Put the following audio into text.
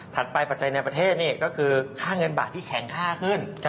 ไปปัจจัยในประเทศนี่ก็คือค่าเงินบาทที่แข็งค่าขึ้น